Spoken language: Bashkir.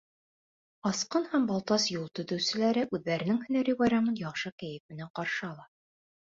Асҡын һәм Балтас юл төҙөүселәре үҙҙәренең һөнәри байрамын яҡшы кәйеф менән ҡаршы ала.